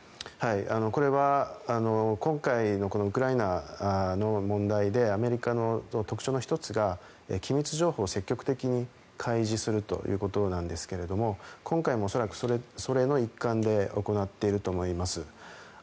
これは今回のこのウクライナの問題でアメリカの特徴の１つが機密情報を積極的に開示するということなんですが今回も恐らく、それの一環で行っていると思います。